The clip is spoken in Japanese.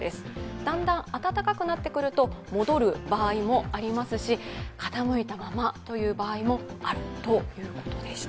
だんだん暖かくなってくると戻る場合もありますし傾いたままという場合もあるということでした。